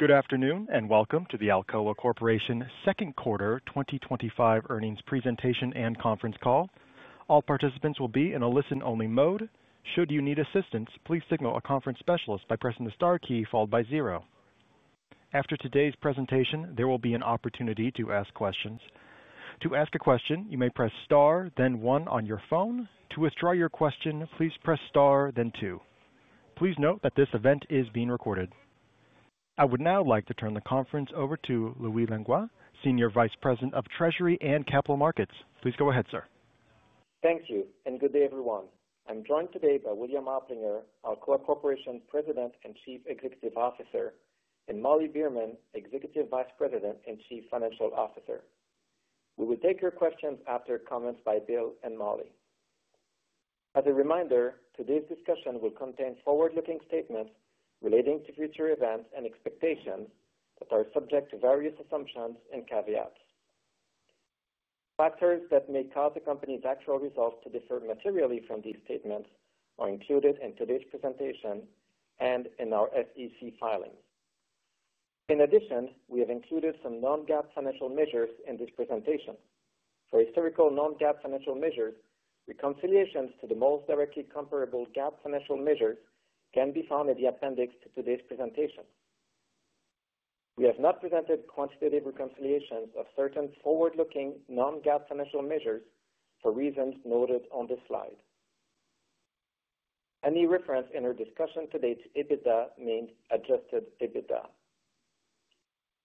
Good afternoon, and welcome to the Alcoa Corporation Second Quarter twenty twenty five Earnings Presentation and Conference Call. All participants will be in a listen only mode. After today's presentation, there will be an opportunity to ask questions. Please note that this event is being recorded. I would now like to turn the conference over to Louis Languois, Senior Vice President of Treasury and Capital Markets. Please go ahead, sir. Thank you, and good day, everyone. I'm joined today by William Applinger, Alcoa Corporation's President and Chief Executive Officer and Molly Bierman, Executive Vice President and Chief Financial Officer. We will take your questions after comments by Bill and Molly. As a reminder, today's discussion will contain forward looking statements relating to future events and expectations that are subject to various assumptions and caveats. Factors that may cause the company's actual results to differ materially from these statements are included in today's presentation and in our SEC filings. In addition, we have included some non GAAP financial measures in this presentation. For historical non GAAP financial measures, reconciliations to the most directly comparable GAAP financial measures can be found in the appendix to today's presentation. We have not presented quantitative reconciliations of certain forward looking non GAAP financial measures for reasons noted on this slide. Any reference in our discussion to date EBITDA means adjusted EBITDA.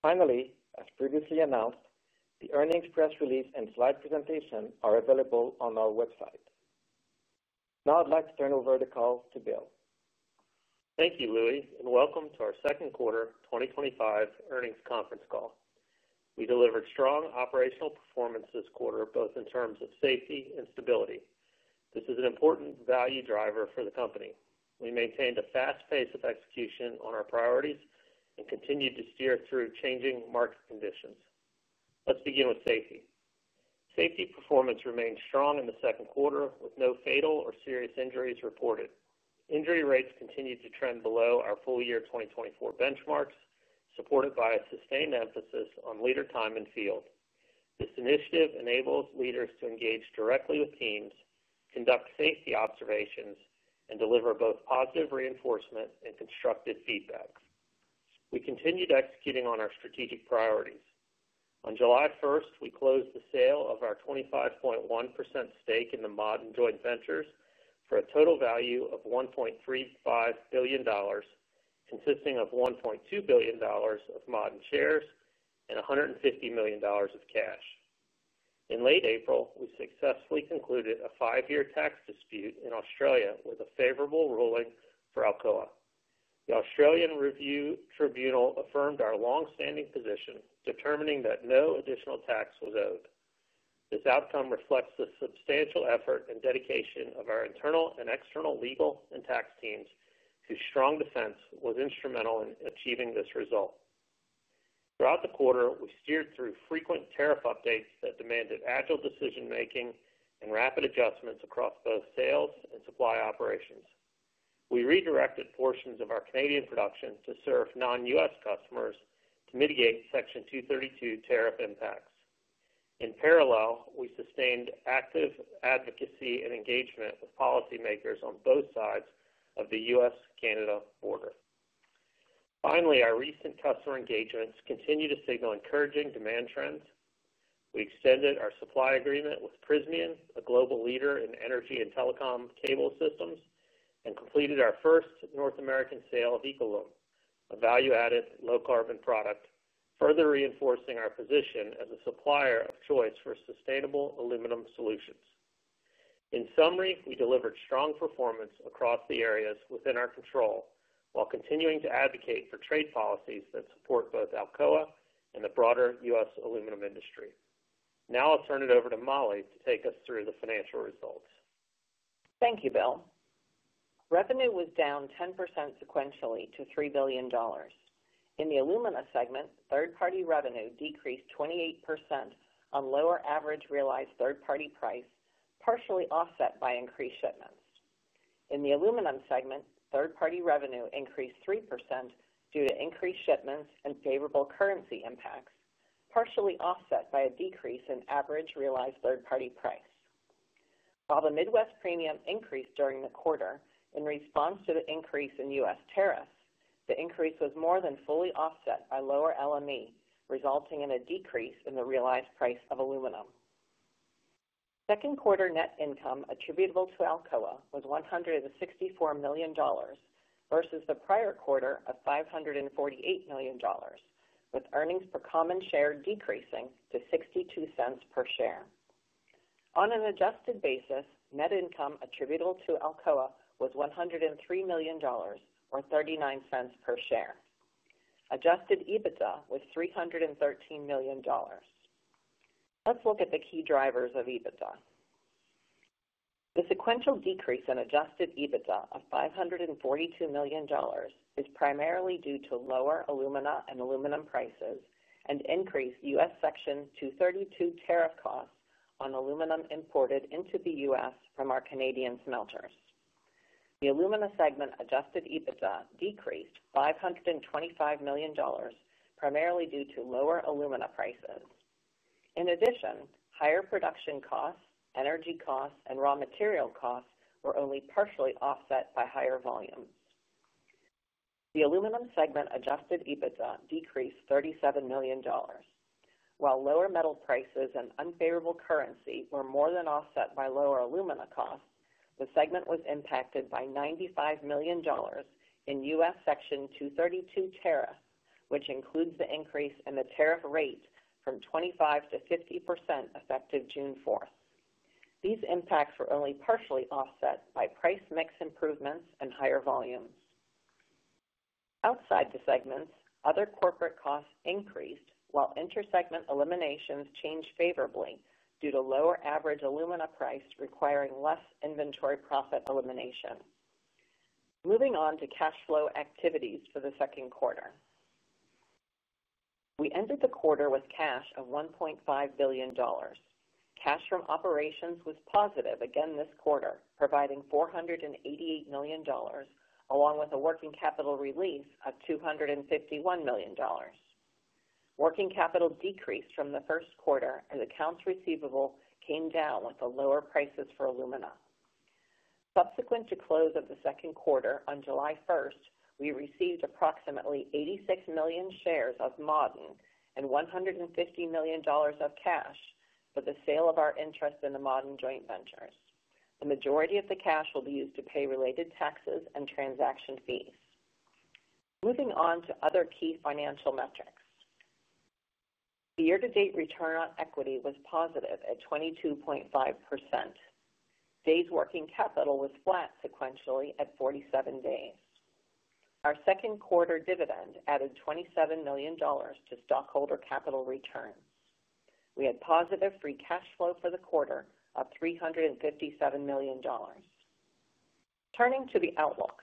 Finally, as previously announced, the earnings press release and slide presentation are available on our website. Now I'd like to turn over the call to Bill. Thank you, Louis, and welcome to our second quarter twenty twenty five earnings conference call. We delivered strong operational performance this quarter both in terms of safety and stability. This is an important value driver for the company. We maintained a fast pace of execution on our priorities and continued to steer through changing market conditions. Let's begin with safety. Safety performance remained strong in the second quarter with no fatal or serious injuries reported. Injury rates continued to trend below our full year 2024 benchmarks supported by a sustained emphasis on leader time in field. This initiative enables leaders to engage directly with teams, conduct safety observations and deliver both positive reinforcement and constructive feedback. We continued executing on our strategic priorities. On July 1, we closed the sale of our 25.1% stake in the Mauden joint ventures for a total value of $1,350,000,000 consisting of $1,200,000,000 of Mauden shares and $150,000,000 of cash. In late April, we successfully concluded a five year tax dispute in Australia with a favorable ruling for Alcoa. The Australian Review Tribunal affirmed our long standing position determining that no additional tax was owed. This outcome reflects the substantial effort and dedication of our internal and external legal and tax teams whose strong defense was instrumental in achieving this result. Throughout the quarter, we steered through frequent tariff updates that demanded agile decision making and rapid adjustments across both sales and supply operations. We redirected portions of our Canadian production to serve non U. S. Customers to mitigate Section two thirty two tariff impacts. In parallel, we sustained active advocacy and engagement with policymakers on both sides of The U. S.-Canada border. Finally, our recent customer engagements continue to signal encouraging demand trends. We extended our supply agreement with Prismean, a global leader in energy and telecom cable systems and completed our first North American sale of Ecolum, a value added low carbon product, further reinforcing our position as a supplier of choice for sustainable aluminum solutions. In summary, we delivered strong performance across the areas within our control, while continuing to advocate for trade policies that support both Alcoa and the broader U. S. Aluminum industry. Now I'll turn it over to Molly to take us through the financial results. Thank you, Bill. Revenue was down 10% sequentially to $3,000,000,000 In the Alumina segment, third party revenue decreased 28% on lower average realized third party price, partially offset by increased shipments. In the Aluminum segment, third party revenue increased 3% due to increased shipments and favorable currency impacts, partially offset by a decrease in average realized third party price. While the Midwest premium increased during the quarter in response to the increase in U. S. Tariffs, the increase was more than fully offset by lower LME resulting in a decrease in the realized price of aluminum. Second quarter net income attributable to Alcoa was $164,000,000 versus the prior quarter of $548,000,000 with earnings per common share decreasing to $0.62 per share. On an adjusted basis, net income attributable to Alcoa one hundred and three million dollars or $0.39 per share. Adjusted EBITDA was $313,000,000 Let's look at the key drivers of EBITDA. The sequential decrease in adjusted EBITDA of $542,000,000 is primarily due to lower alumina and aluminum prices and increased U. S. Section two thirty two tariff cost on aluminum imported into The U. S. From our Canadian smelters. The Alumina segment adjusted EBITDA decreased $525,000,000 primarily due to lower alumina prices. In addition, higher production costs, energy costs and raw material costs were only partially offset by higher volumes. The Aluminum segment adjusted EBITDA decreased $37,000,000 While lower metal prices and unfavorable currency were more than offset by lower alumina costs, the segment was impacted by $95,000,000 in U. S. Section two thirty two tariff, which includes the increase in the tariff rate from 25% to 50% effective June 4. These impacts were only partially offset by price mix improvements and higher volumes. Outside the segments, other corporate costs increased while intersegment eliminations changed favorably due to lower average alumina price requiring less inventory profit elimination. Moving on to cash flow activities for the second quarter. We ended the quarter with cash of $1,500,000,000 Cash from operations was positive again this quarter, providing $488,000,000 along with a working capital release of $251,000,000 Working capital decreased from the first quarter as accounts receivable came down with the lower prices for alumina. Subsequent to close of the second quarter, on July 1, we received approximately 86,000,000 shares of Mauden and $150,000,000 of cash for the sale of our interest in the Mauden joint ventures. The majority of the cash will be used to pay related taxes and transaction fees. Moving on to other key financial metrics. The year to date return on equity was positive at 22.5%. Days working capital was flat sequentially at 47 days. Our second quarter dividend added $27,000,000 to stockholder capital returns. We had positive free cash flow for the quarter of $357,000,000 Turning to the outlook.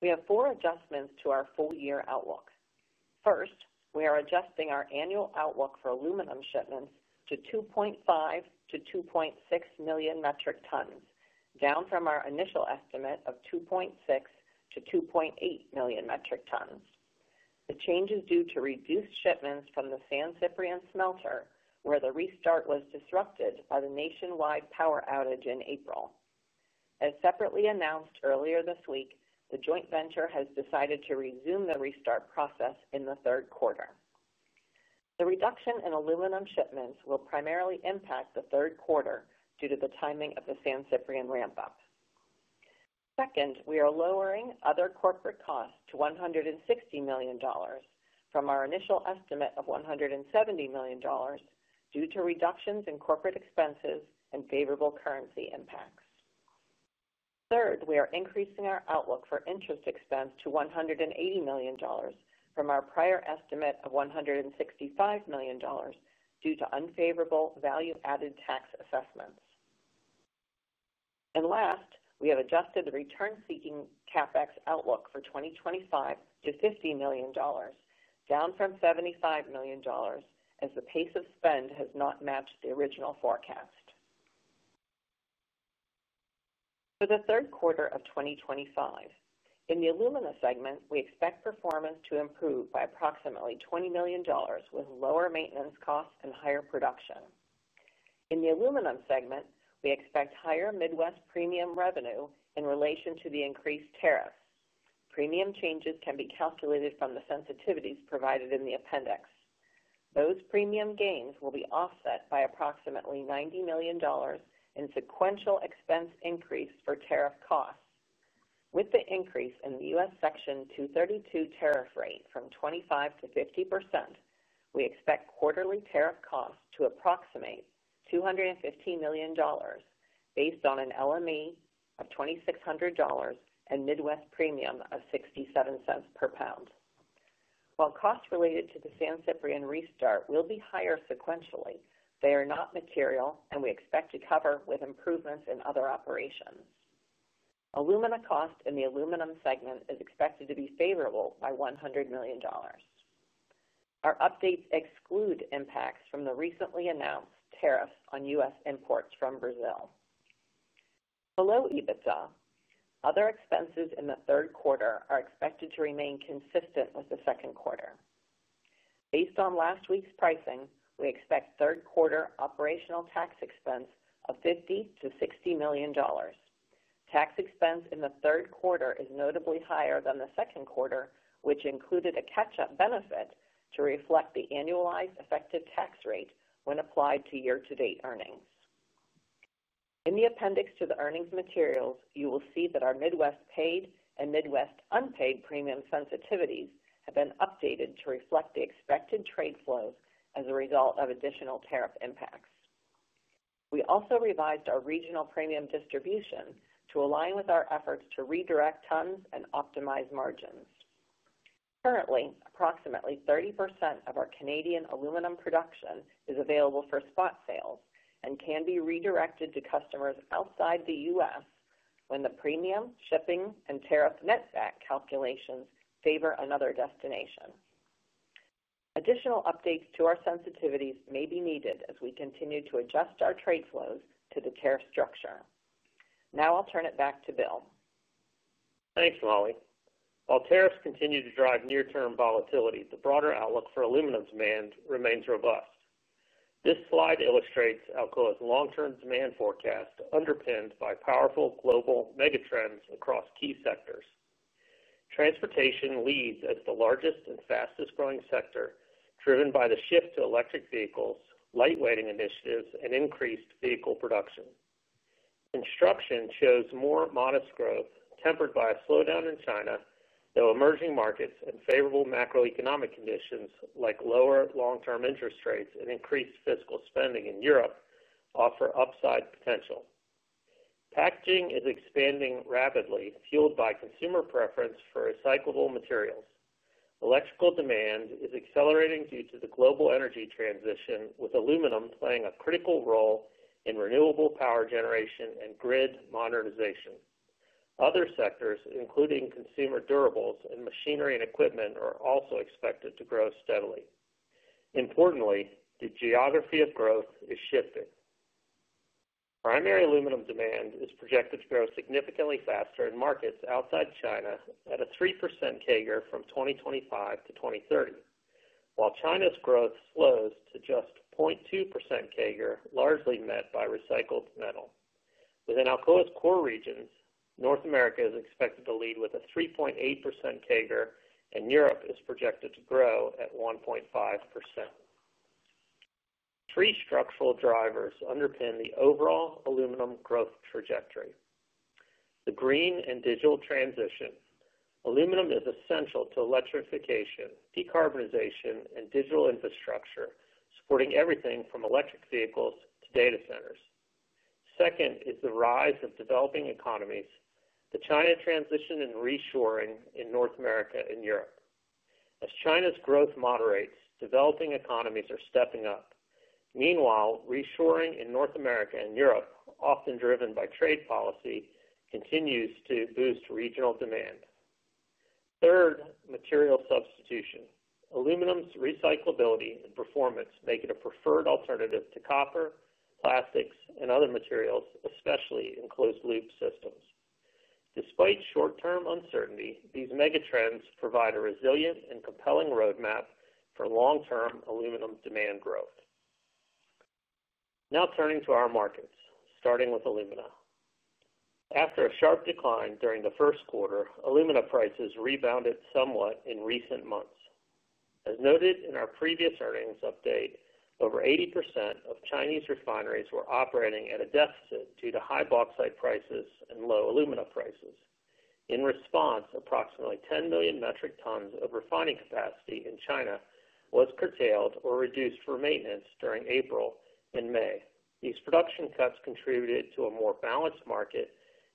We have four adjustments to our full year outlook. First, we are adjusting our annual outlook for aluminum shipments to 2,500,000 to 2,600,000 metric tons, down from our initial estimate of 2,600,000 to 2,800,000 metric tons. The change is due to reduced shipments from the San Ciprian smelter where the restart was disrupted by the nationwide power outage in April. As separately announced earlier this week, the joint venture has decided to resume the restart process in the third quarter. The reduction in aluminum shipments will primarily impact the third quarter due to the timing of the San Ciprian ramp up. Second, we are lowering other corporate costs to $160,000,000 from our initial estimate of $170,000,000 due to reductions in corporate expenses and favorable currency impacts. Third, we are increasing our outlook for interest expense to $180,000,000 from our prior estimate of $165,000,000 due to unfavorable value added tax assessments. And last, we have adjusted the return seeking CapEx outlook for 2025 to $50,000,000 down from $75,000,000 as the pace of spend has not matched the original forecast. For the third quarter of twenty twenty five, in the Alumina segment, we expect performance to improve by approximately $20,000,000 with lower maintenance costs and higher production. In the Aluminum segment, we expect higher Midwest premium revenue in relation to the increased tariffs. Premium changes can be calculated from the sensitivities provided in the appendix. Those premium gains will be offset by approximately $90,000,000 in sequential expense increase for tariff costs. With the increase in The U. S. Section two thirty two tariff rate from 25% to 50%, we expect quarterly tariff costs to approximate $250,000,000 based on an LME of $2,600 and Midwest premium of $0.67 per pound. While costs related to the San Ciprian restart will be higher sequentially, they are not material and we expect to cover with improvements in other operations. Alumina cost in the Aluminum segment is expected to be favorable by $100,000,000 Our updates exclude impacts from the recently announced tariffs on U. S. Imports from Brazil. Below EBITDA, other expenses in the third quarter are expected to remain consistent with the second quarter. Based on last week's pricing, we expect third quarter operational tax expense of $50,000,000 to $60,000,000 Tax expense in the third quarter is notably higher than the second quarter, which included a catch up benefit to reflect the annualized effective tax rate when applied to year to date earnings. In the appendix to the earnings materials, you will see that our Midwest paid and Midwest unpaid premium sensitivities have been updated to reflect the expected trade flows as a result of additional tariff impacts. We also revised our regional premium distribution to align with our efforts to redirect tons and optimize margins. Currently, approximately 30% of our Canadian aluminum production is available for spot sales and can be redirected to customers outside The U. S. When the premium, shipping and tariff netback calculations favor another destination. Additional updates to our sensitivities may be needed as we continue to adjust our trade flows to the tariff structure. Now I'll turn it back to Bill. Thanks, Molly. While tariffs continue to drive near term volatility, the broader outlook for aluminum demand remains robust. This slide illustrates Alcoa's long term demand forecast underpinned by powerful global megatrends across key sectors. Transportation leads as the largest and fastest growing sector, driven by the shift to electric vehicles, lightweighting initiatives and increased vehicle production. Construction shows more modest growth tempered by a slowdown in China, though emerging markets and favorable macroeconomic conditions like lower long term interest rates and increased fiscal spending in Europe offer upside potential. Packaging is expanding rapidly fueled by consumer preference for recyclable materials. Electrical demand is accelerating due to the global energy transition with aluminum playing a critical role in renewable power generation and grid modernization. Other sectors, including consumer durables and machinery and equipment are also expected to grow steadily. Importantly, the geography of growth is shifting. Primary aluminum demand is projected to grow significantly faster in markets outside China at a 3% CAGR from 2025 to 02/1930, while China's growth slows to just 0.2% CAGR largely met by recycled metal. Within Alcoa's core regions, North America is expected to lead with a 3.8% CAGR and Europe is projected to grow at 1.5%. Three structural drivers underpin the overall aluminum growth trajectory. The green and digital transition. Aluminum is essential to electrification, decarbonization and digital infrastructure supporting everything from electric vehicles to data centers. Second is the rise of developing economies, the China transition and reshoring in North America and Europe. As China's growth moderates, developing economies are stepping up. Meanwhile, reshoring in North America and Europe often driven by trade policy continues to boost regional demand. Third, material substitution. Aluminum's recyclability and performance make it a preferred alternative to copper, plastics and other materials, especially in closed loop systems. Despite short term uncertainty, these megatrends provide a resilient and compelling roadmap for long term aluminum demand growth. Now turning to our markets, starting with alumina. After a sharp decline during the first quarter, alumina prices rebounded somewhat in recent months. As noted in our previous earnings update, over 80% of Chinese refineries were operating at a deficit due to high bauxite prices and low alumina prices. In response, approximately 10,000,000 metric tons of refining capacity in China was curtailed or reduced for maintenance during April and May. These production cuts contributed to a more balanced market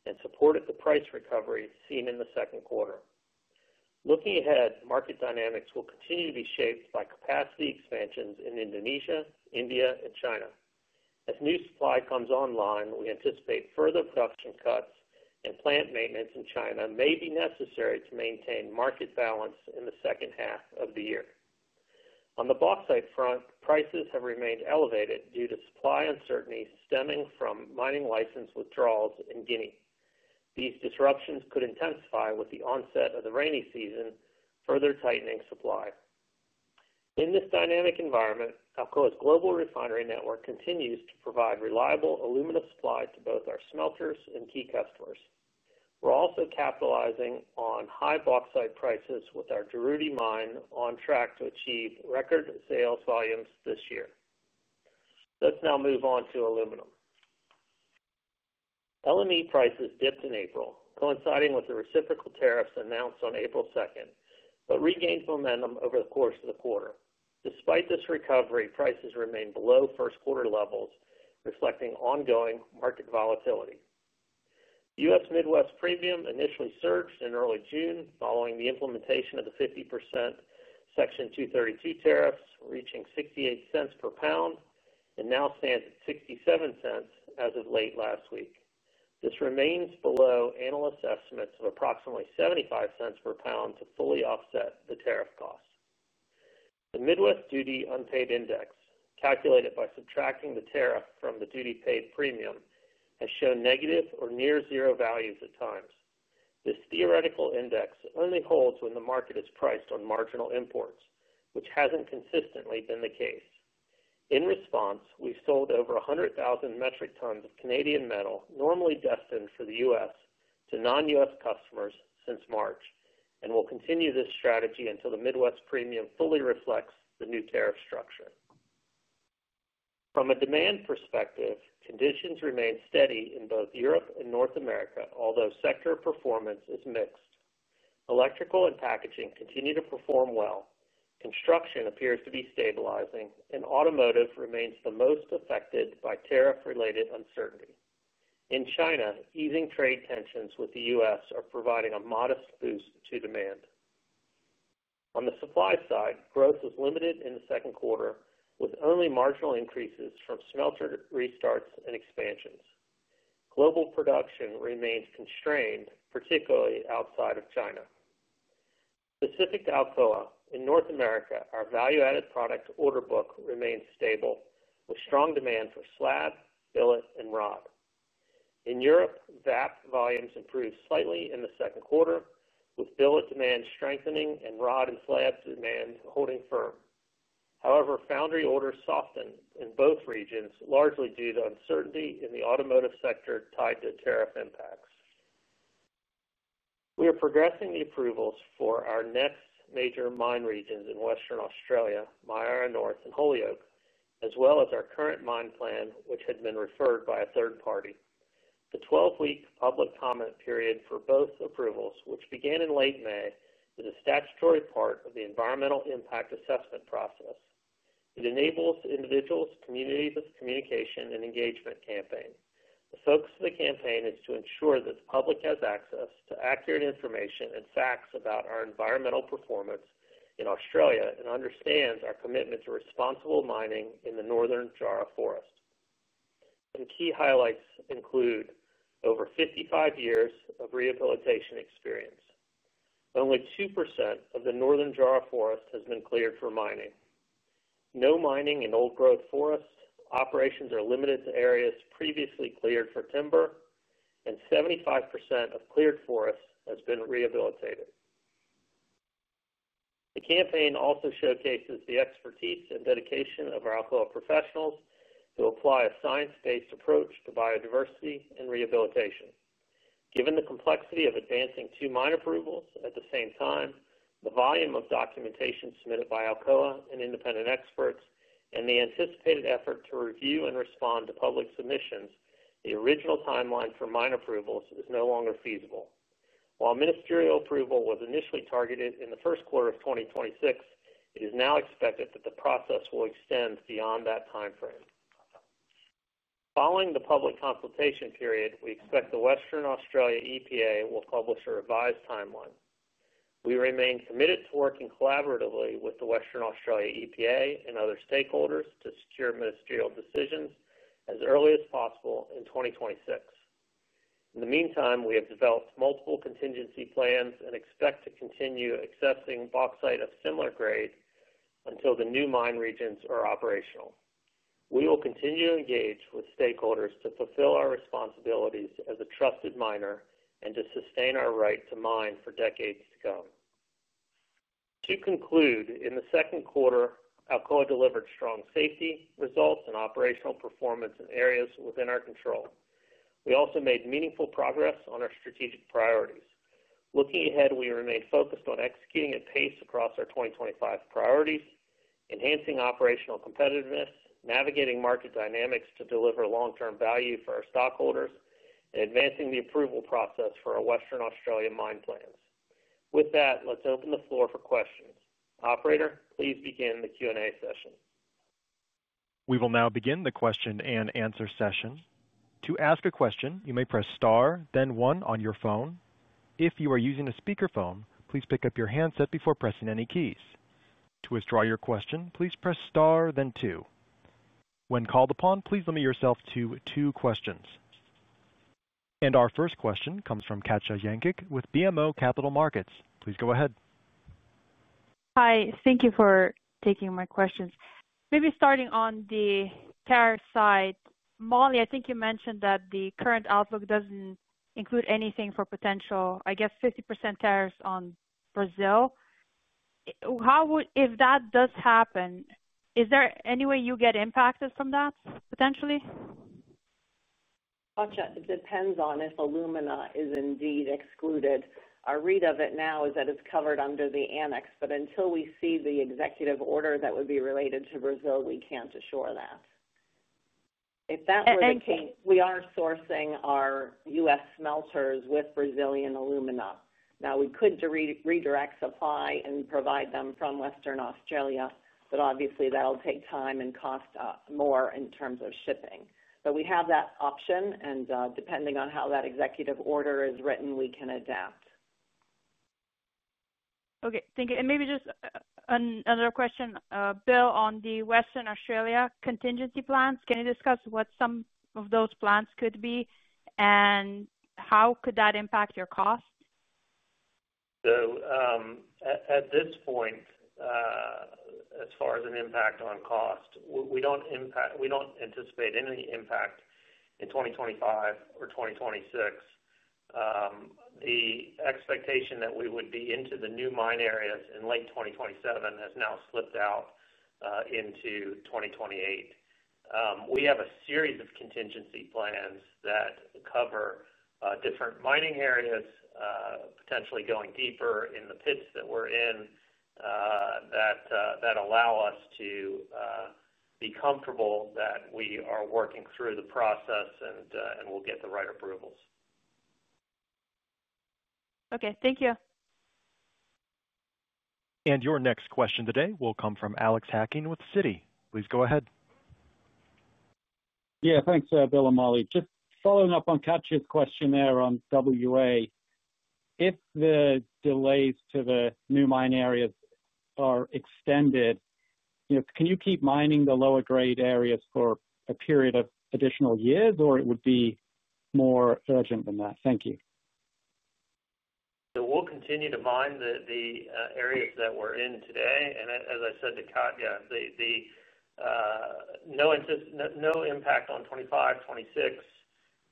and supported the price recovery seen in the second quarter. Looking ahead, market dynamics will continue to be shaped by capacity expansions in Indonesia, India and China. As new supply comes online, we anticipate further production cuts and plant maintenance in China may be necessary to maintain market balance in the second half of the year. On the bauxite front, prices have remained elevated due to supply uncertainty stemming from mining license withdrawals in Guinea. These disruptions could intensify with the onset of the rainy season further tightening supply. In this dynamic environment, Alcoa's global refinery network continues to provide reliable aluminum supply to both our smelters and key customers. We're also capitalizing on high bauxite prices with our Juruti mine on track to achieve record sales volumes this year. Let's now move on to aluminum. LME prices dipped in April coinciding with the reciprocal tariffs announced on April 2, but regained momentum over the course of the quarter. Despite this recovery, prices remained below first quarter levels, reflecting ongoing market volatility. U. S. Midwest premium initially surged in early June following the implementation of the 50% Section two thirty two tariffs reaching $0.68 per pound and now stands at $0.67 as of late last week. This remains below analyst estimates of approximately $0.75 per pound to fully offset the tariff costs. The Midwest Duty Unpaid Index calculated by subtracting the tariff from the duty paid premium has shown negative or near zero values at times. This theoretical index only holds when the market is priced on marginal imports, which hasn't consistently been the case. In response, we sold over 100,000 metric tons Canadian metal normally destined for The U. S. To non U. S. Customers since March and we'll continue this strategy until the Midwest premium fully reflects the new tariff structure. From a demand perspective, conditions remain steady in both Europe and North America, although sector performance is mixed. Electrical and packaging continue to perform well, construction appears to be stabilizing and automotive remains the most affected by tariff related uncertainty. In China, easing trade tensions with The U. S. Are providing a modest boost to demand. On the supply side, growth was limited in the second quarter with only marginal increases from smelter restarts and expansions. Global production remains constrained, particularly outside of China. Specific to Alcoa, in North America, our value added product order book remained stable with strong demand for slab, billet and rod. In Europe, VAP volumes improved slightly in the second quarter with billet demand strengthening and rod and slabs demand holding firm. However, foundry orders softened in both regions largely due to uncertainty in the automotive sector tied to tariff impacts. We are progressing the approvals for our next major mine regions in Western Australia, Myara North and Holyoke, as well as our current mine plan, which had been referred by a third party. The twelve week public comment period for both approvals, which began in late May, is a statutory part of the environmental impact assessment process. It enables individuals, communities of communication and engagement campaign. The focus of the campaign is to ensure that the public has access to accurate information and facts about our environmental performance in Australia and understands our commitment to responsible mining in the Northern Jarrah Forest. And key highlights include over 55 of rehabilitation experience. Only 2% of the Northern Jara Forest has been cleared for mining. No mining in old growth forests, operations are limited to areas previously cleared for timber and 75% of cleared forest has been rehabilitated. The campaign also showcases the expertise and dedication of our alcohol professionals who apply a science based approach to biodiversity and rehabilitation. Given the complexity of advancing two mine approvals at the same time, the volume of documentation submitted by Alcoa and independent experts and the anticipated effort to review and respond to public submissions, the original timeline for mine approvals is no longer feasible. While ministerial approval was initially targeted in the first quarter of twenty twenty six, it is now expected that the process will extend beyond that timeframe. Following the public consultation period, we expect the Western Australia EPA will publish a revised timeline. We remain committed to working collaboratively with the Western Australia EPA and other stakeholders to secure ministerial decisions as early as possible in 2026. In the meantime, we have developed multiple contingency plans and expect to continue accessing bauxite of similar grade until the new mine regions are operational. We will continue to engage with stakeholders to fulfill our responsibilities as a trusted miner and to sustain our right to mine for decades to come. To conclude, in the second quarter Alcoa delivered strong safety, results and operational performance in areas within our control. We also made meaningful progress on our strategic priorities. Looking ahead, we remain focused on executing at pace across our twenty twenty five priorities, enhancing operational competitiveness, navigating market dynamics to deliver long term value for our stockholders, and advancing the approval process for our Western Australian mine plans. With that, let's open the floor for questions. Operator, please begin the Q and A session. We will now begin the question and answer session. And our first question comes from Katja Yenkig with BMO Capital Markets. Please go ahead. Hi, thank you for taking my questions. Maybe starting on the tariff side, Molly, I think you mentioned that the current outlook doesn't include anything for potential, I guess, 50% tariffs on Brazil. How would if that does happen, is there any way you get impacted from that potentially? It depends on if alumina is indeed excluded. Our read of it now is that it's covered under the annex, but until we see the executive order that would be related to Brazil, we can't assure that. That were the case, we are sourcing our U. S. Smelters with Brazilian alumina. Now we could redirect supply and provide them from Western Australia, but obviously that will take time and cost more in terms of shipping. But we have that option and depending on how that executive order is written we can adapt. Okay. Thank you. And maybe just another question, Bill on the Western Australia contingency plans. Can you discuss what some of those plans could be? And how could that impact your cost? So, at this point, as far as an impact on cost, we don't anticipate any impact in 2025 or 2026. The expectation that we would be into the new mine areas in late twenty twenty seven has now slipped out into 2028. We have a series of contingency plans that cover different mining areas potentially going deeper in the pits that we're in that allow us to be comfortable that we are working through the process and we'll get the right approvals. Okay. Thank you. And your next question today will come from Alex Hacking with Citi. Please go ahead. Yes. Thanks Bill and Molly. Just following up on Katya's question there on WA. If the delays to the new mine areas are extended, can you keep mining the lower grade areas for a period of additional years or it would be more urgent than that? Thank you. So we'll continue to mine the areas that we're in today. And as I said to Katya, no impact on 2025, 2026.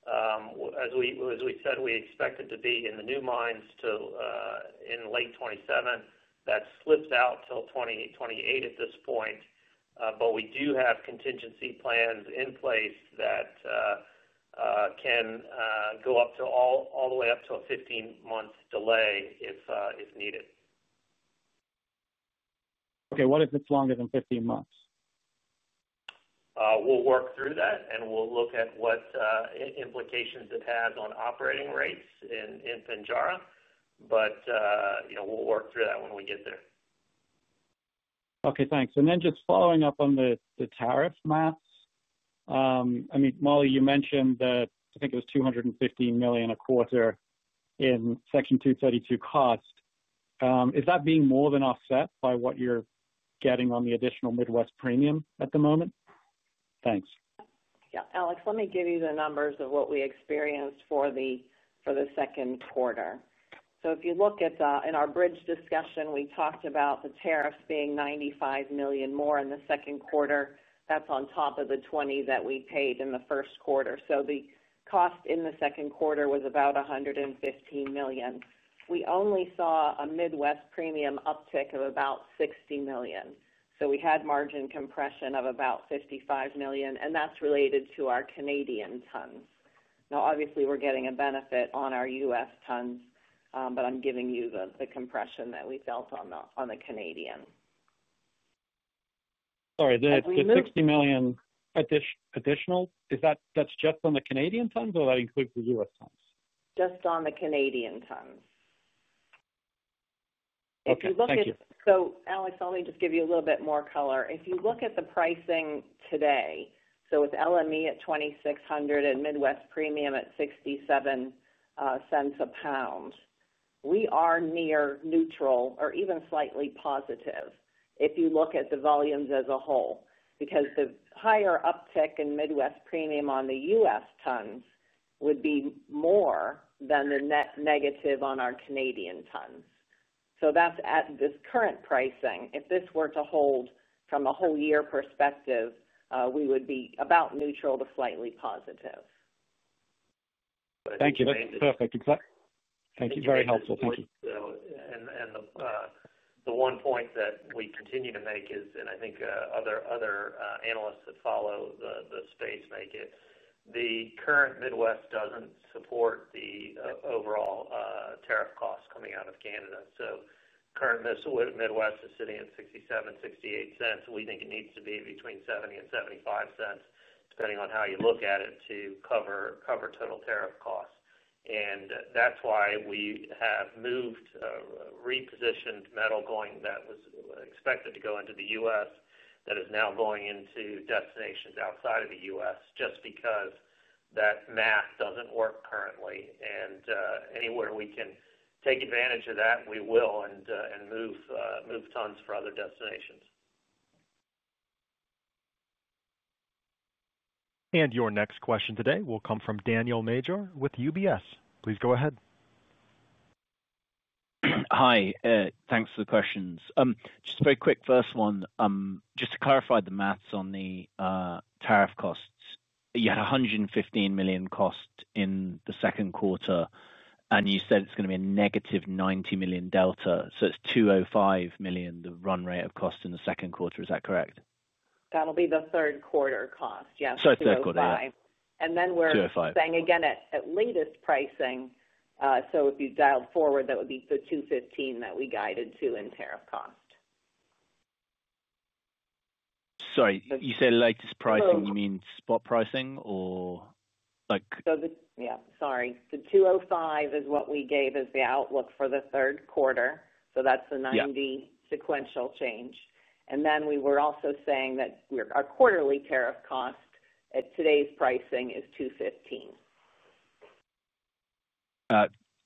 As we said, we expect it to be in the new mines to in late twenty twenty seven that slips out till 2028 at this point. But we do have contingency plans in place that can go up to all the way up to a fifteen month delay if needed. Okay. What if it's longer than fifteen months? We'll work through that and we'll look at what implications it has on operating rates in Pinjarra. But we'll work through that when we get there. Okay. Thanks. And then just following up on the tariff math. Mean, Molly, you mentioned that I think it was $215,000,000 a quarter in Section two thirty two cost. Is that being more than offset by what you're getting on the additional Midwest premium at the moment? Thanks. Alex, let me give you the numbers of what we experienced for the second quarter. So if you look at in our bridge discussion, we talked about the tariffs being $95,000,000 more in the second quarter. That's on top of the 20,000,000 that we paid in the first quarter. So the cost in the second quarter was about $115,000,000 We only saw a Midwest premium uptick of about $60,000,000 So we had margin compression of about $55,000,000 and that's related to our Canadian tons. Now obviously, we're getting a benefit on our U. S. Tons, but I'm giving you the compression that we felt on the Canadian. Sorry, the 60,000,000 additional is that just on the Canadian tons or that includes The U. S. Tons? Just on the Canadian tons. Okay. Thank you. Alex, let me just give you a little bit more color. If you look at the pricing today, so with LME at $2,600 and Midwest premium at $0.67 a pound. We are near neutral or even slightly positive if you look at the volumes as a whole, because the higher uptick in Midwest premium on The U. S. Tons would be more than the net negative on our Canadian tons. So that's at this current pricing. If this were to hold from a whole year perspective, we would be about neutral to slightly positive. Thank you. That's perfect. You. Very helpful. Thank you. And the one point that we continue to make is and I think other analysts that follow the space make it. The current Midwest doesn't support the overall tariff costs coming out of Canada. So current Midwest is sitting at $0.67 $0.68 We think it needs to be between and $0.75 depending on how you look at it to cover total tariff costs. And that's why we have moved repositioned metal going that was expected to go into The U. S. That is now going into destinations outside of The U. S. Just because that math doesn't work currently. And anywhere we can take advantage of that we will and move tons for other destinations. And your next question today will come from Daniel Major with UBS. Please go ahead. Hi. Thanks for the questions. Just a very quick first one, just to clarify the maths on the tariff costs. You had $115,000,000 cost in the second quarter and you said it's going to be a negative $90,000,000 delta. So it's $2.00 $5,000,000 the run rate cost in the second quarter. Is that correct? That will be the third quarter cost. So third quarter. Then we're saying again at latest pricing. So if you dial forward that would be the $215,000,000 that we guided to in tariff cost. Sorry, you said latest pricing, you mean spot pricing or like? Yes, sorry. The $2.00 5 is what we gave as the outlook for the third quarter. So that's the 90 sequential change. And then we were also saying that our quarterly tariff cost at today's pricing is $2.15.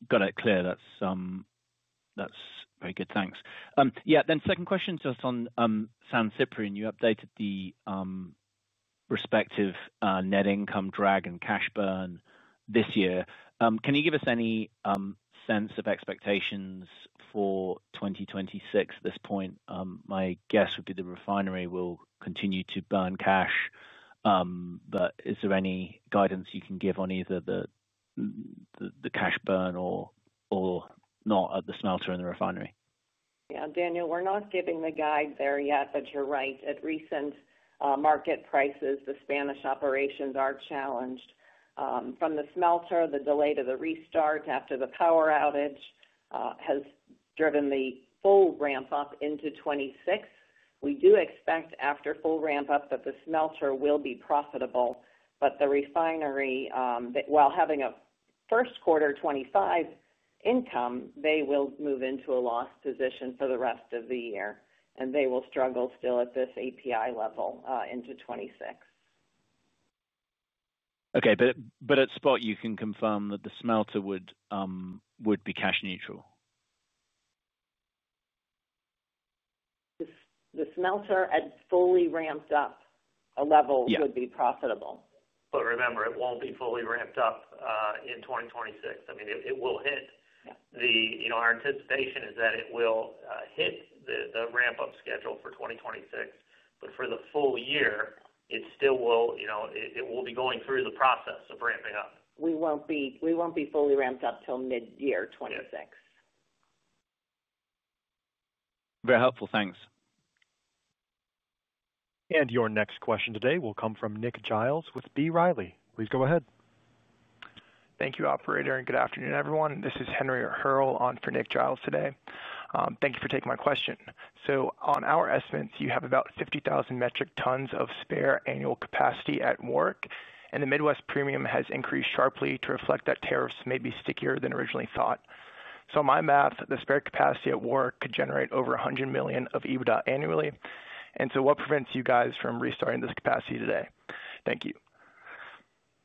Got it. Clear. That's very good. Thanks. Yes. Then second question just on San Ciprian. You updated the respective net income drag and cash burn this year. Can you give us any sense of expectations for 2026 at this point? My guess would be the refinery will continue to burn cash. But is there any guidance you can give on either the cash burn or not at the smelter and the refinery? Yes. Daniel, we're not giving the guide there yet, but you're right. At recent market prices, the Spanish operations are challenged. From the smelter, the delay to the restart after the power outage has driven the full ramp up into '26. We do expect after full ramp up that the smelter will be profitable, but the refinery, while having a first quarter twenty five income, they will move into a loss position for the rest of the year and they will struggle still at this API level into 2026. Okay. But at spot you can confirm that the smelter would be cash neutral? The smelter at fully ramped up a level would be profitable. But remember, it won't be fully ramped up in 2026. I mean, it will hit. Our anticipation is that it will hit the ramp up schedule for 2026. But for the full year, it still will it will be going through the process of ramping up. We be fully ramped up till midyear twenty twenty six. Helpful. Thanks. And your next question today will come from Nick Giles with B. Riley. Please go ahead. Thank you, operator, and good afternoon, everyone. This is Henry Hurl on for Nick Giles today. Thank you for taking my question. So on our estimates, have about 50,000 metric tons of spare annual capacity at work and the Midwest premium has increased sharply to reflect that tariffs may be stickier than originally thought. So my math, the spare capacity at Warrick could generate over $100,000,000 of EBITDA annually. And so what prevents you guys from restarting this capacity today? Thank you.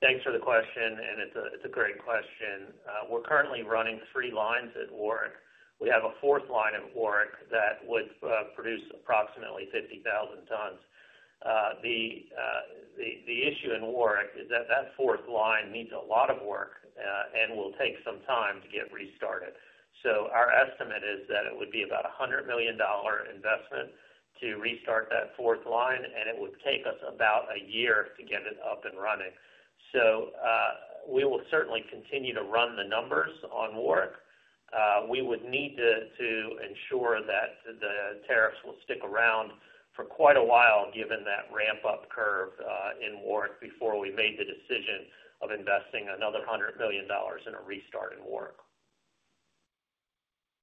Thanks for the question and it's a great question. We're currently running three lines at Warrick. We have a fourth line at Warrick that would produce approximately 50,000 tons. The issue in Warrick is that that fourth line needs a lot of work and will take some time to get restarted. So our estimate is that it would be about $100,000,000 investment to restart that fourth line and it would take us about a year to get it up and running. So we will certainly continue to run the numbers on work. We would need to ensure that the tariffs will stick around for quite a while given that ramp up curve in Warrick before we made the decision of investing another $100,000,000 in a restart in Warrick.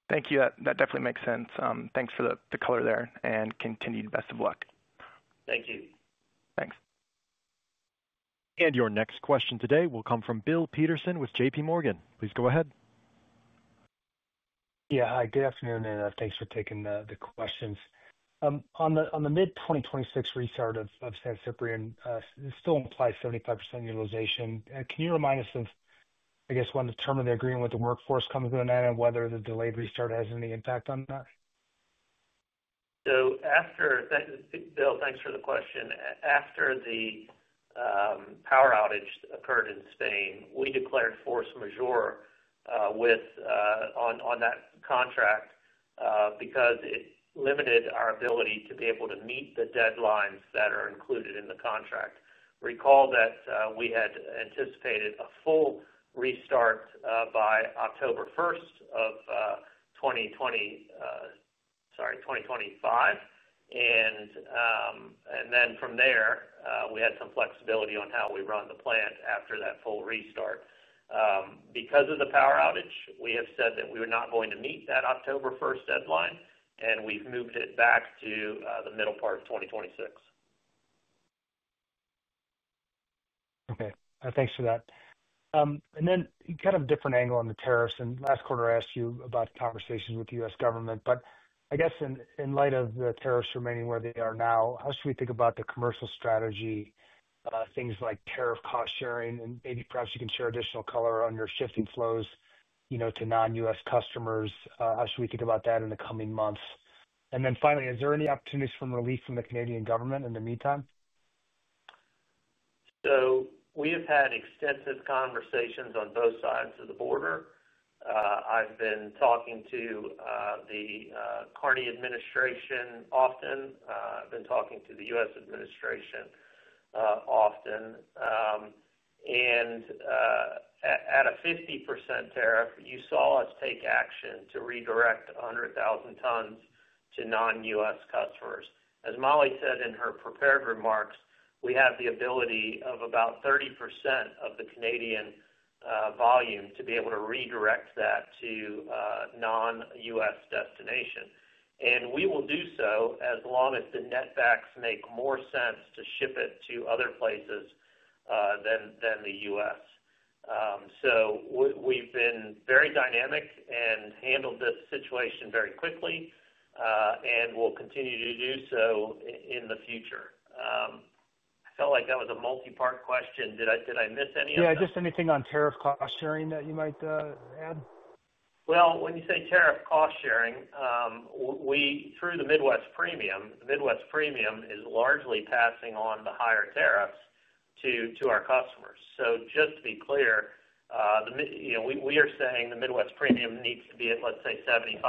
Thank you. That definitely makes sense. Thanks for the color there and continued best of luck. Thank you. Thanks. And your next question today will come from Bill Peterson with JPMorgan. Please go ahead. Yes. Hi, good afternoon and thanks for taking the questions. On the mid-twenty twenty six restart of San Ciprian, it still implies 75% utilization. Can you remind us of, I guess, when the term of the agreement with the workforce comes in and whether the delayed restart has any impact on that? Bill, thanks for the question. After the power outage occurred in Spain, we declared force majeure with on that contract, because it limited our ability to be able to meet the deadlines that are included in the contract. Recall that we had anticipated a full restart by 10/01/2020 sorry, '25. And then from there, we had some flexibility on how we run the plant after that full restart. Because of the power outage, we have said that we were not going to meet that October 1 deadline and we've moved it back to the middle part of twenty twenty six. Okay. Thanks for that. And then kind of different angle on the tariffs and last quarter I asked you about conversations with the U. S. Government. But I guess in light of the tariffs remaining where they are now, how should we think about the commercial strategy things like tariff cost sharing? And maybe perhaps you can share additional color on your shifting flows to non U. S. Customers. How should we think about that in the coming months? And then finally, is there any opportunities from relief from the Canadian government in the meantime? So we have had extensive conversations on both sides of the border. I've been talking to the Kearney administration often. I've been talking to the U. S. Administration often. And at a 50% tariff, you saw us take action to redirect 100,000 tons to non U. S. Customers. As Molly said in her prepared remarks, we have the ability of about 30% of the Canadian volume to be able to redirect that to non U. S. Destination. And we will do so as long as the netbacks make more sense to ship it to other places than The U. S. So we've been very dynamic and handled this situation very quickly and will continue to do so in the future. I felt like that was a multi part question. Did I miss any of that? Yes. Just anything on tariff cost sharing that you might add? Well, when you say tariff cost sharing, we through the Midwest Premium, Midwest Premium is largely passing on the higher tariffs to our customers. So just to be clear, we are saying the Midwest Premium needs to be at let's say $0.75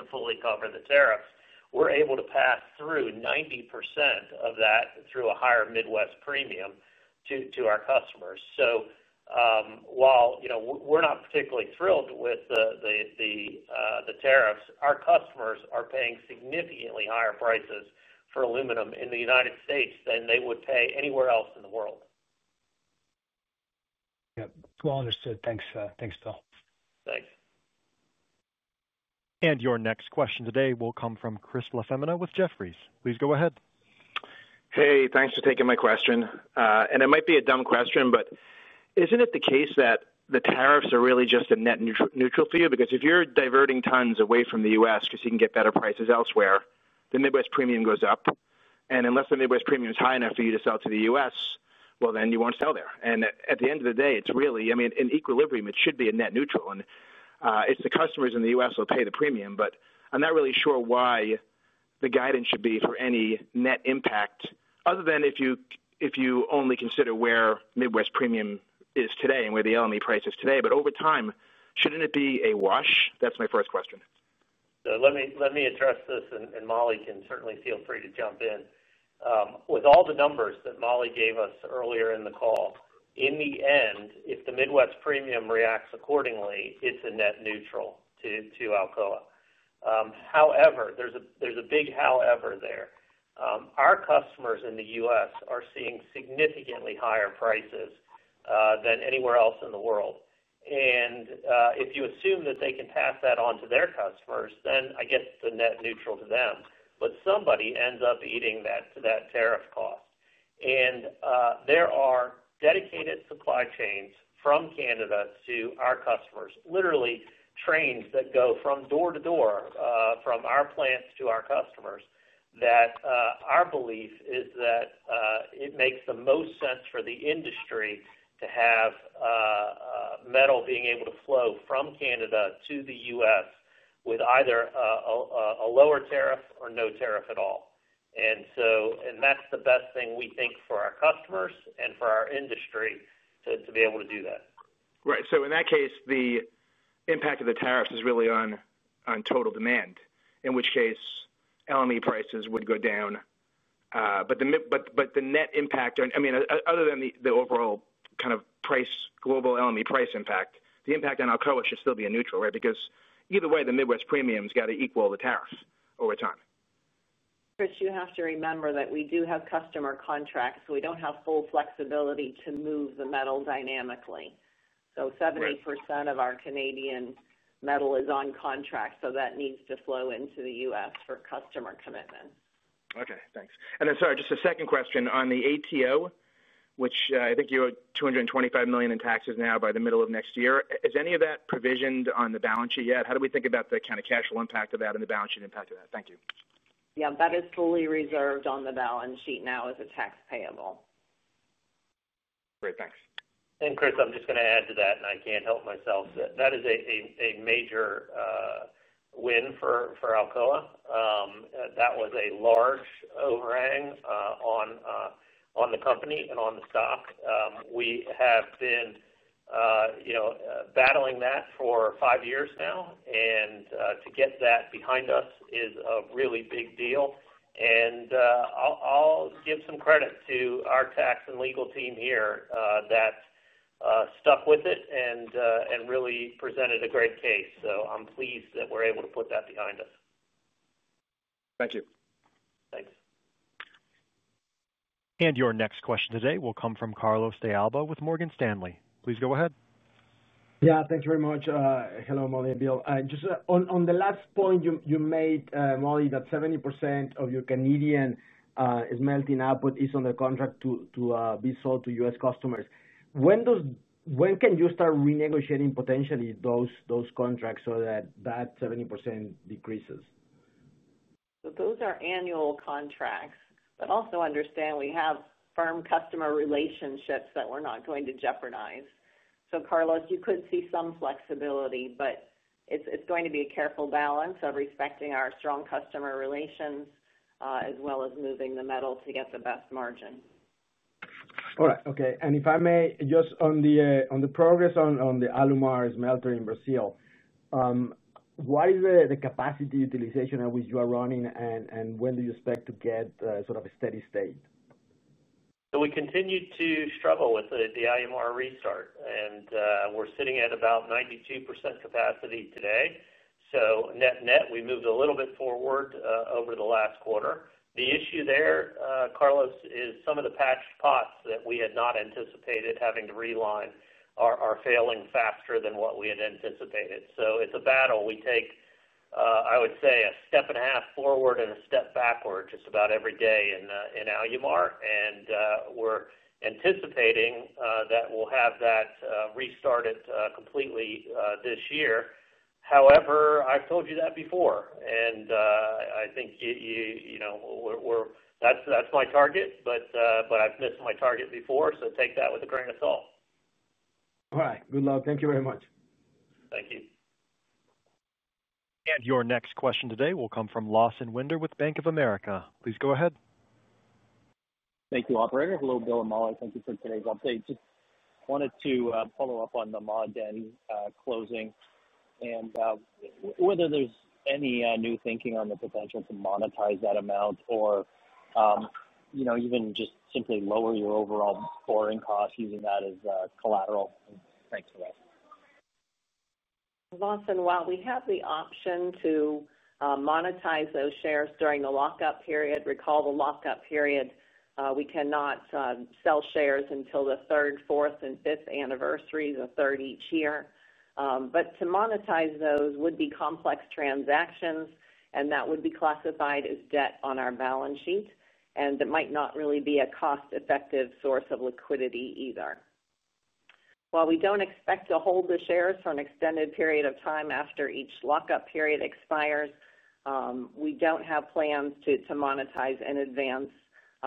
to fully cover the tariffs. We're able to pass through 90% of that through a higher Midwest premium to our customers. So while we're not particularly thrilled with the tariffs, customers are paying significantly higher prices for aluminum in The United States than they would pay anywhere else in the world. Yes. Well, understood. Thanks, Bill. Thanks. And your next question today will come from Chris Lefevina with Jefferies. Please go ahead. Hey, thanks for taking my question. And it might be a dumb question, but isn't it the case that the tariffs are really just a net neutral for you? Because if you're diverting tons away from The U. S. Because you can get better prices elsewhere, the Midwest premium goes up. And unless the Midwest premium is high enough for you to sell to The U. S, well then you want to sell there. And at the end of the day, it's really, I mean, equilibrium, it should be a net neutral. It's the customers in The U. S. Will pay the premium, but I'm not really sure why the guidance should be for any net impact other than if you only consider where Midwest premium is today and where the LME price is today, but over time, shouldn't it be a wash? That's my first question. So let me address this and Molly can certainly feel free to jump in. With all the numbers that Molly gave us earlier in the call, in the end, if the Midwest Premium reacts accordingly, it's a net neutral to Alcoa. However, there's a big however there. Our customers in The U. S. Are seeing significantly higher prices than anywhere else in the world. And if you assume that they can pass that on to their customers, then I guess the net neutral to them, but somebody ends up eating that tariff cost. And there are dedicated supply chains from Canada to our customers, literally trains that go from door to door from our plants to our customers that our belief is that it makes the most sense for the industry to have metal being able to flow from Canada to The U. S. With either a lower tariff or no tariff at all. And so and that's the best thing we think for our customers and for our industry to be able to do that. Right. So in that case, the impact of the tariffs is really on total demand, in which case LME prices would go down. But net impact I mean other than the overall kind of price global LME price impact, the impact on Alcoa should still be a neutral rate because either way the Midwest premiums got to equal the tariffs over time. Chris, you have to remember that we do have customer contracts. We don't have full flexibility to move the metal dynamically. 70 of our Canadian metal is on contract. So that needs to flow into The U. S. For customer commitment. Okay. Thanks. And then sorry, just a second question on the ATO, which I think you had $225,000,000 in taxes now by the middle of next year. Is any of that provisioned on the balance sheet yet? How do we think about the kind of cash flow impact of that and the balance sheet impact of that? Thank Yes. That is fully reserved on the balance sheet now as a tax payable. Great. Thanks. And Chris, I'm just going to add to that and I can't help myself. That is a major win for Alcoa. That was a large overhang on the company and on the stock. We have been battling that for five years now. And to get that behind us is a really big deal. And I'll give some credit to our tax and legal team here that stuck with it and really presented a great case. So I'm pleased that we're able to put that behind us. Thank you. Thanks. And your next question today will come from Carlos De Alba with Morgan Stanley. Please go ahead. Yes. Thank you very much. Hello, Molly and Bill. Just on the last point you made Molly that 70% of your Canadian smelting output is on the contract to be sold to U. S. Customers. When does when can you start renegotiating potentially those contracts so that, 70% decreases? So those are annual contracts, but also understand we have firm customer relationships that we're not going to jeopardize. So Carlos, you could see some flexibility, it's going to be a careful balance of respecting our strong customer relations as well as moving the metal to get the best margin. All right. Okay. And if I may, just on the progress on the Alumar smelter in Brazil, why is the capacity utilization at which you are running? When do you expect to get sort of a steady state? So we continue to struggle with the Alumar restart. And we're sitting at about 92% capacity today. So net net, we moved a little bit forward over the last quarter. The issue there, Carlos, is some of the patched pots that we had not anticipated having to realign are failing faster than what we had anticipated. So it's a battle. We take, I would say, a step and a half forward and a step backward just about every day in Alumar. And we're anticipating that we'll have that restarted completely this year. However, I've told you that before. And I think we're that's my target, but I've missed my target before. So take that with a grain of salt. All right. Good luck. Thank you very much. Thank you. And your next question today will come from Lawson Winder with Bank of America. Please go ahead. Thank you, operator. Hello, Bill and Molly. Thank you for today's update. Just wanted to follow-up on the Maud Den closing and whether there's any new thinking on the potential to monetize that amount or even just simply lower your overall borrowing costs using that as collateral? A lot. Lawson, while we have the option to monetize those shares during the lockup period, recall the lockup period, we cannot sell shares until the third, fourth and fifth anniversary, the third each year. But to monetize those would be complex transactions and that would be classified as debt on our balance sheet and that might not really be a cost effective source of liquidity either. While we don't expect to hold the shares for an extended period of time after each lockup period expires, we don't have plans to monetize in advance.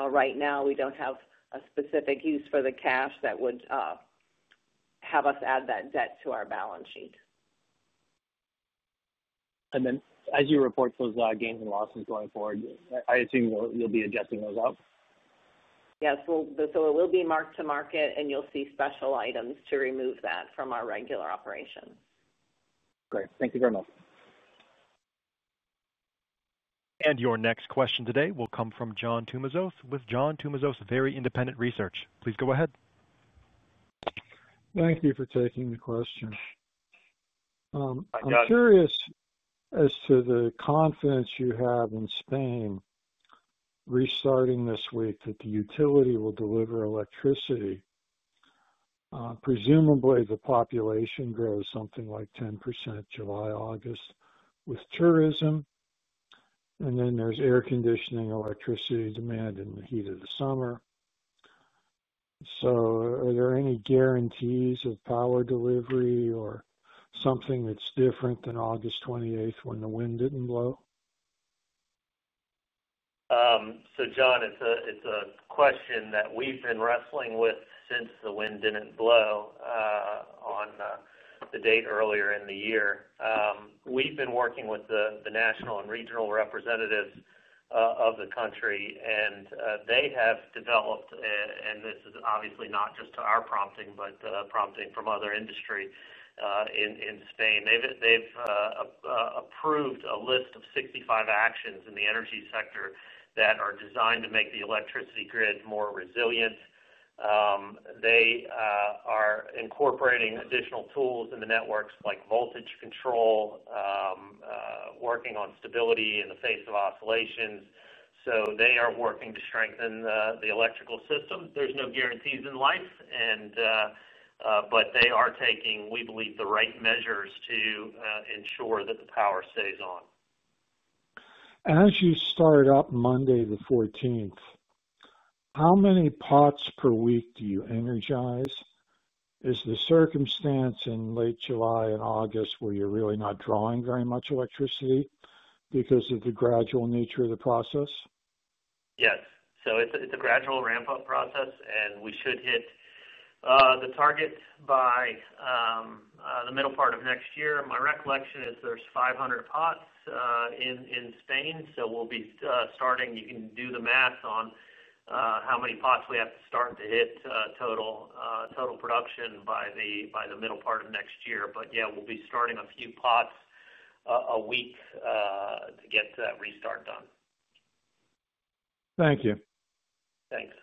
Right now, we don't have a specific use for the cash that would have us add that debt to our balance sheet. And then as you report those gains and losses going forward, I assume you'll be adjusting those out? Yes. It will be mark to market and you'll see special items to remove that from our regular operations. Great. Thank you very much. And your next question today will come from John Tumazos with John Tumazos Very Independent Research. Please go ahead. Thank you for taking the question. I'm curious as to the confidence you have in Spain restarting this week that the utility will deliver electricity, presumably the population grows something like 10% July, August with tourism And then there's air conditioning, electricity demand in the heat of the summer. So are there any guarantees of power delivery or something that's different than August 28 when the wind didn't blow? So John, question it's that we've been wrestling with since the wind didn't blow on the date earlier in the year. We've been working with the national and regional representatives of the country and they have developed and this is obviously not just to our prompting, but prompting from other industry in Spain. They've approved a list of 65 actions in the energy sector that are designed to make the electricity grid more resilient. They are incorporating additional tools in the networks like voltage control, working on stability in the face of oscillations. So they are working to strengthen the electrical system. There's no guarantees in life and but they are taking, we believe, the right measures to ensure that the power stays on. As you start up Monday the fourteenth, how many pots per week do you energize? Is the circumstance in late July and August where you're really not drawing very much electricity because of the gradual nature of the process? Yes. So it's a gradual ramp up process and we should hit the target by the middle part of next year. My recollection is there's 500 pots in Spain. So we'll be starting you can do the math on how many pots we have to start to hit total production by the middle part of next year. But yes, we'll be starting a few pots a week to get that restart done. Thank you. Thanks.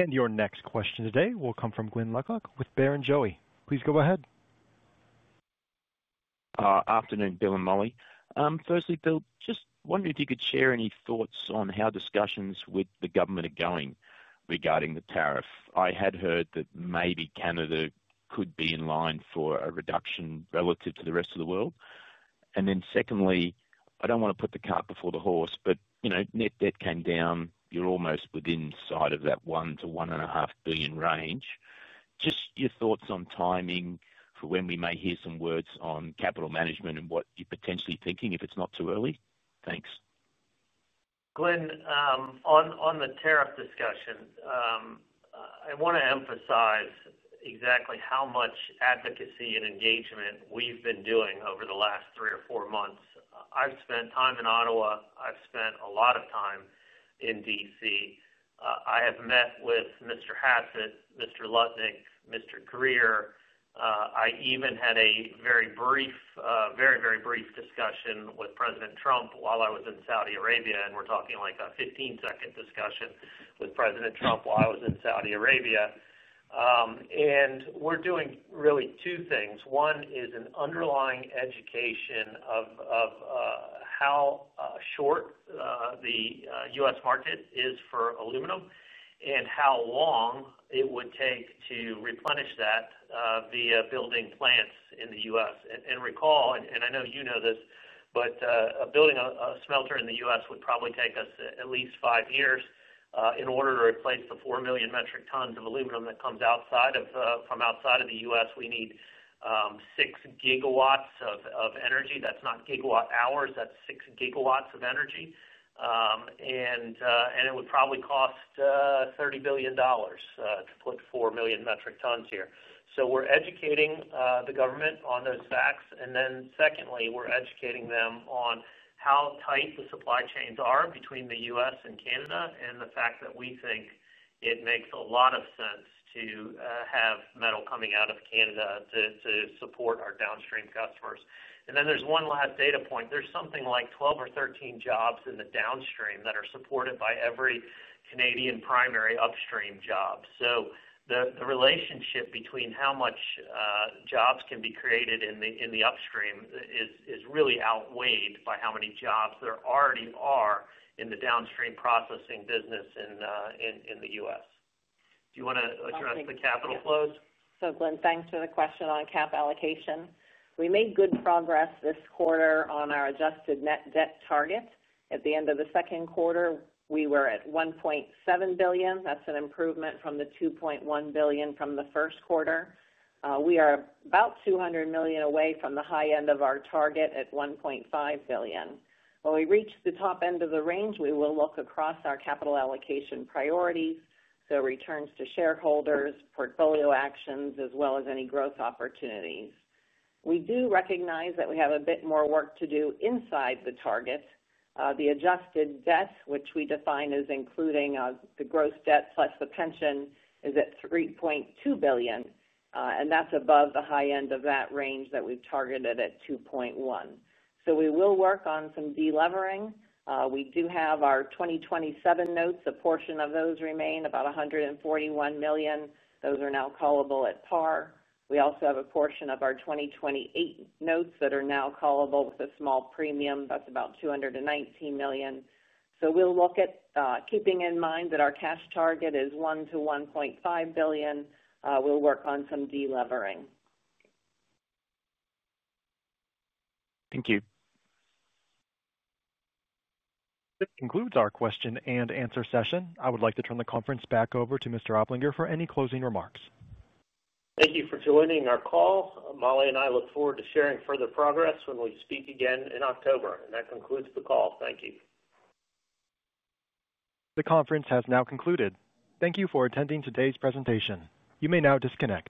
And your next question today will come from Glyn Leuklock with Baird and Joey. Please go ahead. Afternoon, Bill and Molly. Firstly, Bill, just wondering if you could share any thoughts on how discussions with the government are going regarding the tariff. I had heard that maybe Canada could be in line for a reduction relative to the rest of the world. And then secondly, I don't want to put the cart before the horse, but net debt came down, you're almost within sight of that 1,000,000,000 to $1,500,000,000 range. Just your thoughts on timing for when we may hear some words on capital management and what you're potentially thinking if it's not too early? Thanks. Glenn, on the tariff discussion, I want to emphasize exactly how much advocacy and engagement we've been doing over the last three or four months. I've spent time in Ottawa. I've spent a lot of time in D. C. I have met with Mr. Hassett, Mr. Lutznik, Mr. Greer. I even had a very brief very, very brief discussion with President Trump while I was in Saudi Arabia and we're talking like a fifteen second discussion with President Trump while I was in Saudi Arabia. And we're doing really two things. One is an underlying education of how short The U. S. Market is for aluminum and how long it would take to replenish that via building plants in The U. S. And recall and I know you know this, but building a smelter in The U. S. Would probably take us at least five years in order to replace the 4,000,000 metric tons of aluminum that comes outside of from outside of The U. S. We need six gigawatts of energy that's not gigawatt hours, that's six gigawatts of energy. And it would probably cost $30,000,000,000 to put 4,000,000 metric tons here. So we're educating the government on those facts. And then secondly, we're educating them on how tight the supply chains are between The U. S. And Canada and the fact that we think it makes a lot of sense to have metal coming out of Canada to support our downstream customers. And then there's one last data point. There's something like 12 or 13 jobs in the downstream that are supported by every Canadian primary upstream jobs. So the relationship between how much jobs can be created in upstream is really outweighed by how many jobs there already are in the downstream processing business in The U. S. Do you want to address the capital flows? Glenn, thanks for the question on cap allocation. We made good progress this quarter on our adjusted net debt target. At the end of the second quarter, we were at $1,700,000,000 that's an improvement from the $2,100,000,000 from the first quarter. We are about $200,000,000 away from the high end of our target at $1,500,000,000 When we reach the top end of the range, we will look across our capital allocation priorities, so returns to shareholders, portfolio actions, as well as any growth opportunities. We do recognize that we have a bit more work to do inside the target. The adjusted debt, which we define as including the gross debt plus the pension is at $3,200,000,000 and that's above the high end of that range that we've targeted at 2,100,000,000.0 So we will work on some delevering. We do have our 2027 notes, a portion of those remain about $141,000,000 Those are now callable at par. We also have a portion of our 2028 notes that are now callable with a small premium that's about $219,000,000 So we'll look at keeping in mind that our cash target is 1,000,000,000 to $1,500,000,000 We'll work on some delevering. Thank you. This concludes our question and answer session. I would like to turn the conference back over to Mr. Oplinger for any closing remarks. Thank you for joining our call. Molly and I look forward to sharing further progress when we speak again in October. And that concludes the call. Thank you. The conference has now concluded. Thank you for attending today's presentation. You may now disconnect.